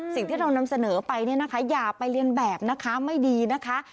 สิ่งที่เรานำเสนอไปเนี่ยนะคะอย่าไปเรียนแบบนะคะไม่ดีนะคะ